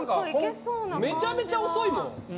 めちゃめちゃ遅いもん。